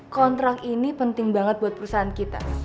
kontrak ini penting banget buat perusahaan kita